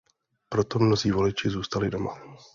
Proto mnozí voliči zůstali doma.